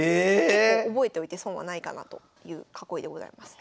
結構覚えといて損はないかなという囲いでございます。